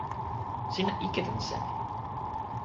sina ike tan seme?